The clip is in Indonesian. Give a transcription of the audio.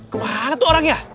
kemana tuh orangnya